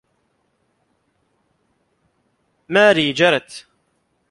ماري جرت.